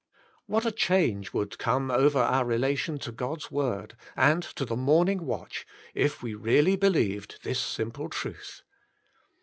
What a change would come over our relation to God's word and to the Morning watch if we really believed this simple truth.